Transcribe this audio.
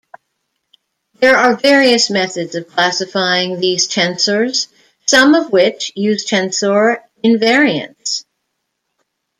There are various methods of classifying these tensors, some of which use tensor invariants.